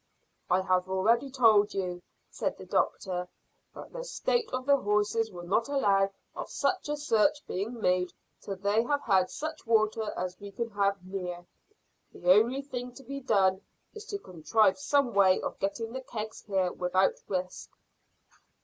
"I have already told you," said the doctor, "that the state of the horses will not allow of such a search being made till they have had such water as we have near. The only thing to be done is to contrive some way of getting the kegs here without risk."